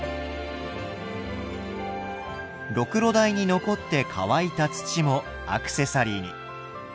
ろくろ台に残って乾いた土もアクセサリーに。